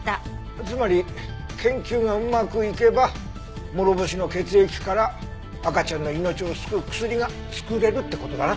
つまり研究がうまくいけば諸星の血液から赤ちゃんの命を救う薬が作れるって事だな。